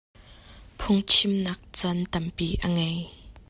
Phungchimnak caan tampi a ngei.